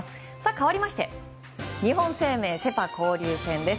かわりまして日本生命セ・パ交流戦です。